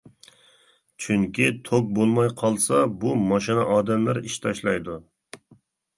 چۈنكى، توك بولماي قالسا، بۇ ماشىنا ئادەملەر «ئىش تاشلايدۇ».